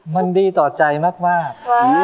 มันดีต่อใจมาก